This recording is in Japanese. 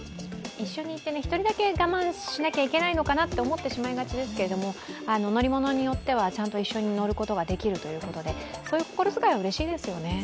一緒にいて１人だけ我慢しなきゃいけないのかなと思ってしまいがちですけれども、乗り物によっては一緒に乗ることができるということでそういう心遣い、うれしいですよね。